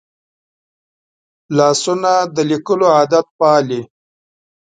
لاسونه د لیکلو عادت پالي